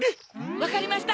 わかりました